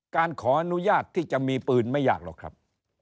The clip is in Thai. การขออนุญาตที่จะมีปืนไม่ยากหรอกครับ